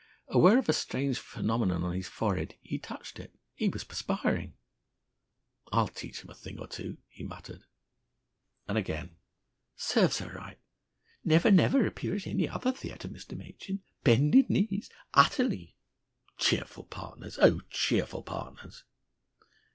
Aware of a strange phenomenon on his forehead, he touched it. He was perspiring. "I'll teach 'em a thing or two," he muttered. And again: "Serves her right.... 'Never, never appear at any other theatre, Mr. Machin!' ... 'Bended knees!' ... 'Utterly!' ... Cheerful partners! Oh, cheerful partners!"